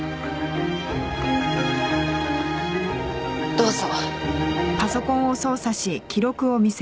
どうぞ。